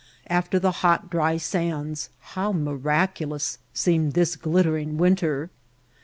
After the hot, dry sands, how miraculous seemed this glittering winter!